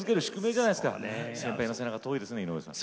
先輩の背中遠いですね井上さん。